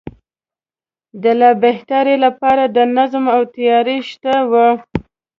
د لا بهترۍ لپاره د نظم او تیارۍ تشه وه.